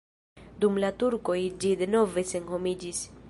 Dum la turkoj ĝi denove senhomiĝis.